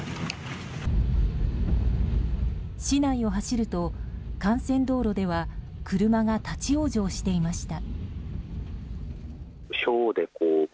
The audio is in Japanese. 市内を走ると、幹線道路では車が立ち往生していました。